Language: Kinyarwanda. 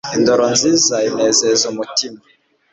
Indoro nziza inezeza umutima